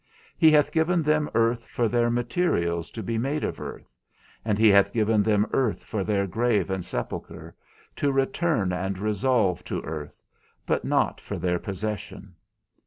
He hath given them earth for their materials to be made of earth, and he hath given them earth for their grave and sepulchre, to return and resolve to earth, but not for their possession.